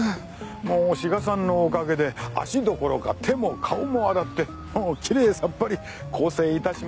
もう志賀さんのおかげで足どころか手も顔も洗ってもうきれいさっぱり更生致しました。